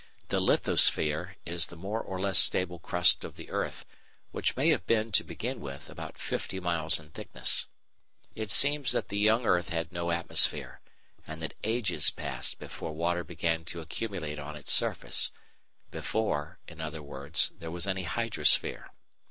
The lithosphere is the more or less stable crust of the earth, which may have been, to begin with, about fifty miles in thickness. It seems that the young earth had no atmosphere, and that ages passed before water began to accumulate on its surface before, in other words, there was any hydrosphere.